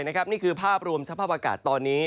นี่คือภาพรวมสภาพอากาศตอนนี้